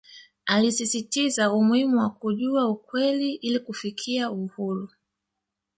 Alisisitiza umuhimu wa kujua ukweli ili kufikia uhuru